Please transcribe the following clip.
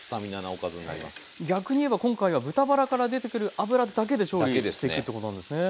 逆に言えば今回は豚バラから出てくる脂だけで調理していくってことなんですね。